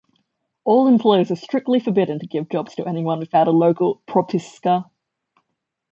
All employers were strictly forbidden to give jobs to anybody without a local "propiska".